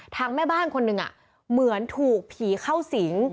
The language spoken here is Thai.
แม่บ้านคนหนึ่งเหมือนถูกผีเข้าสิง